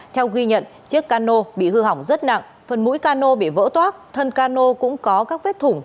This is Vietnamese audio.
theo ghi nhận chiếc cano bị hư hỏng rất nặng phần mũi cano bị vỡ toác thân cano cũng có các vết thủng